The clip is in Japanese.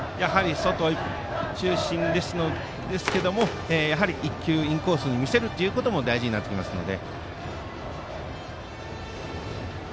外中心ですけどもやはり１球インコースに見せるということも大事になってきますので。